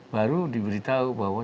baru diberitahu bahwa